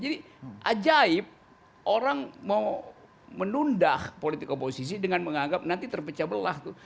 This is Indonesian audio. jadi ajaib orang mau menundah politik oposisi dengan menganggap nanti terpecah belah tuh